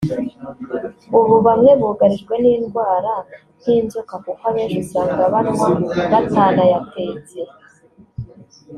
ubu bamwe bugarijwe n’indwara nk’inzoka kuko abenshi usanga banywa batanayatetse”